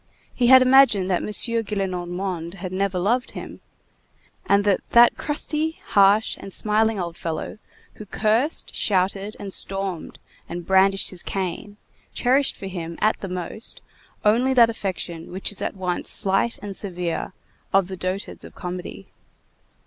He had imagined that M. Gillenormand had never loved him, and that that crusty, harsh, and smiling old fellow who cursed, shouted, and stormed and brandished his cane, cherished for him, at the most, only that affection, which is at once slight and severe, of the dotards of comedy.